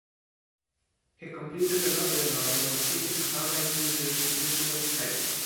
He completed another novel while teaching Honors English at Michigan State.